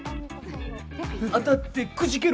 当たってくじけろ！